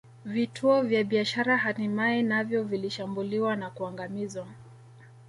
Vituo vya biashara hatimaye navyo vilishambuliwa na kuangamizwa